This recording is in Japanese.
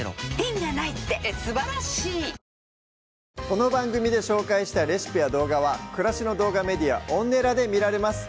この番組で紹介したレシピや動画は暮らしの動画メディアＯｎｎｅｌａで見られます